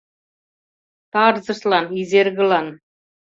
Тарзыштлан, Изергылан